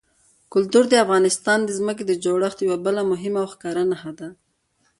کلتور د افغانستان د ځمکې د جوړښت یوه بله مهمه او ښکاره نښه ده.